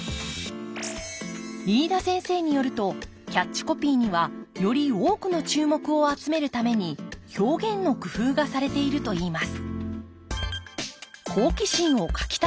飯田先生によるとキャッチコピーにはより多くの注目を集めるために「表現の工夫」がされているといいます